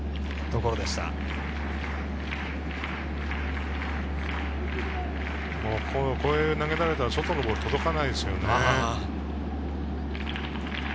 ここに投げられたら、外のボール届かないでしょうね。